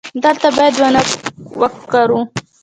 دلته باید ونه وکرو